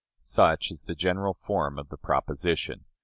Such is the general form of the proposition.